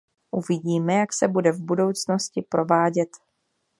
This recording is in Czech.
Uvidíme, jak se bude v budoucnosti provádět.